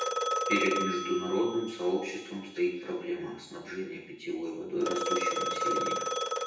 Перед международным сообществом стоит проблема снабжения питьевой водой растущего населения.